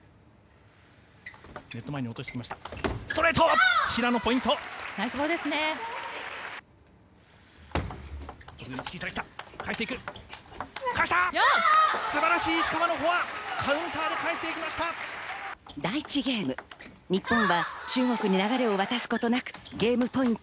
ストレート、平野ポイント。